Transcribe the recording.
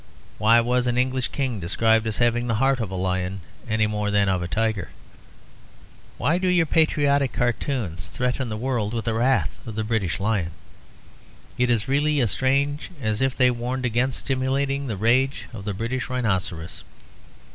Why was an English king described as having the heart of a lion, any more than of a tiger? Why do your patriotic cartoons threaten the world with the wrath of the British Lion; it is really as strange as if they warned it against stimulating the rage of the British rhinoceros.